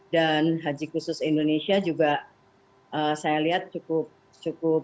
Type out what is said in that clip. dan haji khusus indonesia juga saya lihat cukup